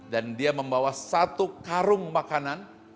dan dia membawa satu karung makanan